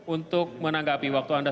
untuk menanggapi waktu anda